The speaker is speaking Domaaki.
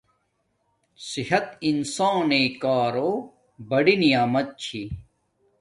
صحت انسان نݵ کارو بڑی نعمت چھی